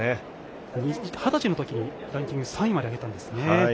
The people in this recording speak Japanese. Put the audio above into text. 二十歳の時にランキング３位まで上げたんですね。